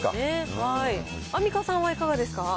アンミカさんはいかがですか。